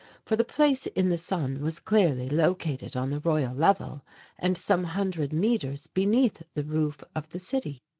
For the Place in the Sun was clearly located on the Royal Level and some hundred metres beneath the roof of the city.